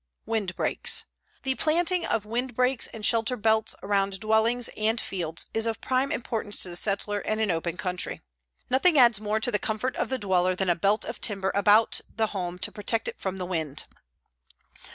WINDBREAKS The planting of windbreaks and shelter belts around dwellings and fields is of prime importance to the settler in an open country. Nothing adds more to the comfort of the dweller than a belt of timber about the home to protect it from the wind.